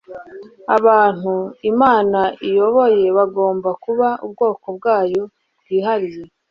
abantu imana iyoboye bagomba kuba ubwoko bwayo bwihariye